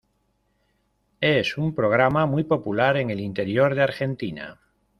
Es un programa muy popular en el interior de Argentina.